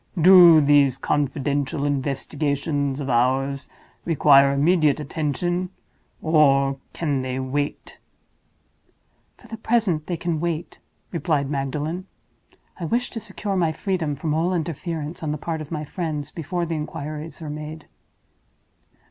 Do these confidential investigations of ours require immediate attention—or can they wait?" "For the present, they can wait," replied Magdalen. "I wish to secure my freedom from all interference on the part of my friends before the inquiries are made."